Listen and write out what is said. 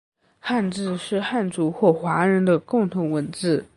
汉字是汉族或华人的共同文字